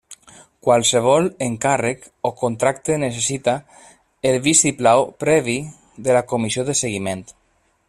Qualsevol encàrrec o contracte necessita el vistiplau previ de la Comissió de Seguiment.